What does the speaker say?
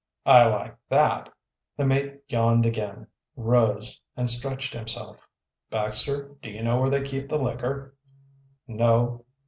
"I like that!" The mate yawned again, rose, and stretched himself. "Baxter, do you know where they keep the liquor?" "No."